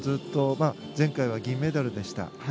前回は銀メダルでした。